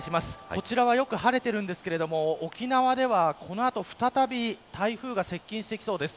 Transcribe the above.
こちらはよく晴れているんですが沖縄ではこの後再び台風が接近してきそうです。